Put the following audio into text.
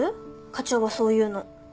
課長はそういうの。